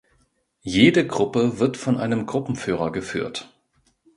Jede Gruppe wird von einem Gruppenführer geführt.